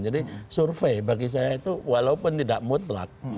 jadi survei bagi saya itu walaupun tidak mutlak